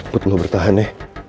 put lo bertahan ya